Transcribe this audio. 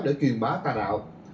để truyền bá tà đạo